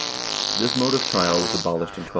This mode of trial was abolished in 1247.